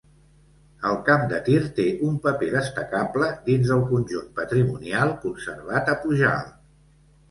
El camp de tir té un paper destacable dins del conjunt patrimonial conservat a Pujalt.